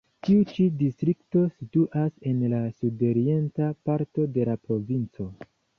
Tiu ĉi distrikto situas en la sudorienta parto de la provinco.